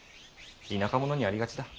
田舎者にありがちだ。